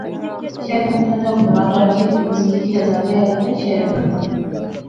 شہر بنتا تہ حکمران راجے، وزیر، شہزادے آئے تہ شہر وی بنتا